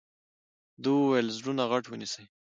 ده وويل زړونه غټ ونيسئ.